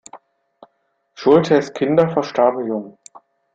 Schulthess' Kinder verstarben jung.